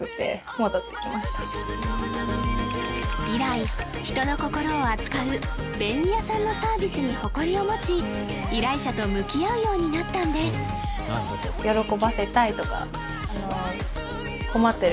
以来人の心を扱う便利屋さんのサービスに誇りを持ち依頼者と向き合うようになったんです分かるよ